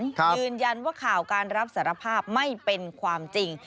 ยืนยันว่าข่าวการรับสารภาพไม่เป็นความจริง